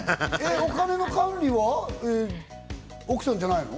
お金の管理は奥さんじゃないの？